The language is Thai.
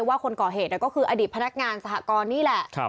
ว่าคนก่อเหตุก็คืออดีตพนักงานสหกรนี่แหละ